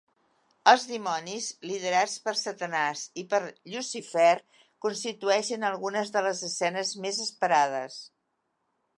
Els dimonis, liderats per Satanàs i per Llucifer, constitueixen algunes de les escenes més esperades.